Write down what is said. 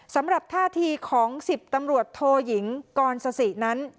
สำหรับท่าทีของ๑๐ตำรวจโทยิงกรสสินั้น